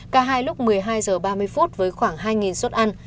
ca hai lúc một mươi hai h ba mươi với khoảng hai xuất ăn